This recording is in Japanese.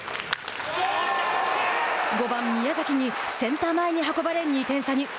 ５番宮崎にセンター前に運ばれ、２点差に。